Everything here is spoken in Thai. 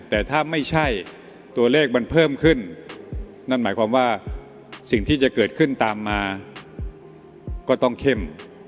แต่ถ้าไม่ใช่ตัวเลขมันเพิ่มขึ้นนั่นหมายความว่าสิ่งที่จะเกิดขึ้นตามมาก็ต้องเข้ม